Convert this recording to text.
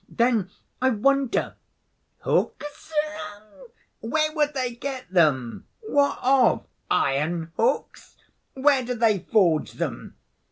Then I wonder—hooks? Where would they get them? What of? Iron hooks? Where do they forge them?